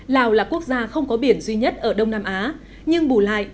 lào là quốc gia không có biển duy nhất ở đông nam á nhưng bù lại